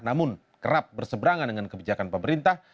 namun kerap berseberangan dengan kebijakan pemerintah